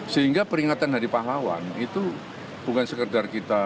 sehingga peringatan hari pahlawan itu bukan sekedar kita